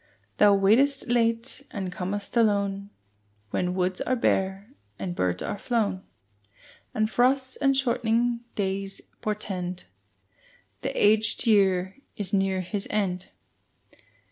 Thou waitest late and com'st alone, When woods are bare and birds are flown, And frosts and shortening days portend The aged year is near his end.